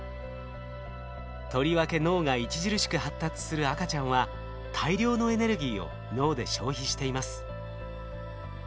とりわけ脳が著しく発達する赤ちゃんは大量のエネルギーを脳で消費しています。